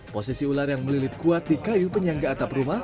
posisi ular yang melilit kuat di kayu penyangga atap rumah